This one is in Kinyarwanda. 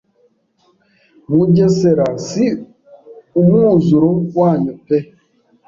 Mugesera si umwuzuro wanyu pe